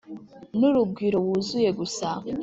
N'urugwiro wuzuye gusa